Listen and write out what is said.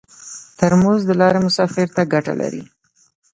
ترموز د لارې مسافر ته ګټه لري.